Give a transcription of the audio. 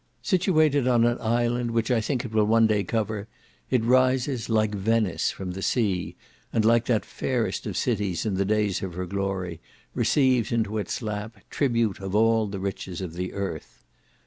Situated on an island, which I think it will one day cover, it rises, like Venice, from the sea, and like that fairest of cities in the days of her glory, receives into its lap tribute of all the riches of the earth.